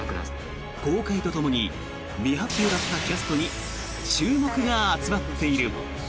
公開とともに未発表だったキャストに注目が集まっている。